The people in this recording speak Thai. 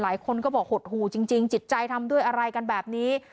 หลายคนก็บอกหดหู่จริงจิตใจทำด้วยอะไรกันแบบนี้